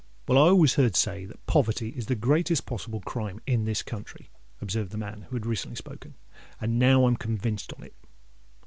"Well, I always heard say that poverty is the greatest possible crime in this country," observed the man who had recently spoken; "and now I'm convinced on it."